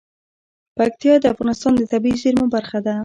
پکتیا د افغانستان د طبیعي زیرمو برخه ده.